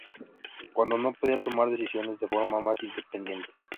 Cuando no, podía tomar decisiones de forma más independiente.